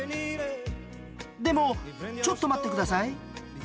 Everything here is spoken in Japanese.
でもちょっと待って下さい。